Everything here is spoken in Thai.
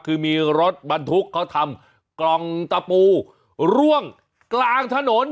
คือมีรถบรรทุกเขาทำกล่องตะปูร่วงกลางถนน